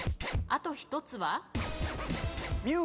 あと１つは？